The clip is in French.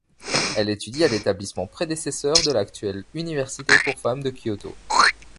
Elle étudie à l'établissement prédécesseur de l'actuelle Université pour femmes de Kyoto.